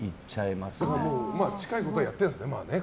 まあ近いことをやっているんですね。